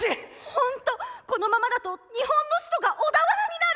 ほんとこのままだと日本の首都が小田原になる！